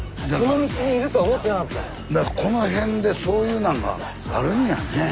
この辺でそういうなんがあるんやねえ。